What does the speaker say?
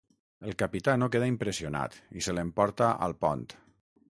El capità no queda impressionat i se l'emporta al pont.